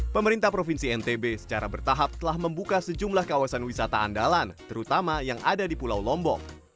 pemerintah provinsi ntb secara bertahap telah membuka sejumlah kawasan wisata andalan terutama yang ada di pulau lombok